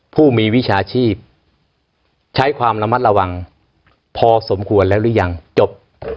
ผู้มีวิชาชีพใช้ความระมัดระวังพอสมควรแล้วหรือยังจบ